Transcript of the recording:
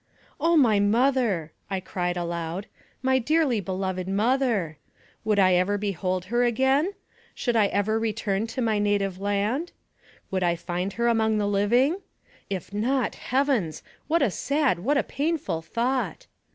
" O, my mother !" I cried aloud, " my dearly beloved mother! Would I ever behold her again? should I ever return to my native land? Would I find her among the living? If not, if not, heavens! what a sad, what a painful thought!"